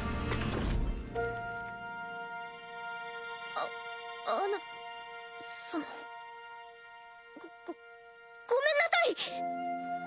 ああのそのごごごめんなさい！